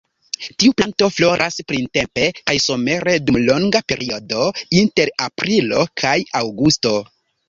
Tiu planto floras printempe kaj somere dum longa periodo inter aprilo kaj aŭgusto.